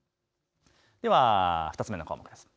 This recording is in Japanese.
では２つ目の項目です。